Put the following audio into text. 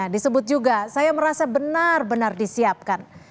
disebut juga saya merasa benar benar disiapkan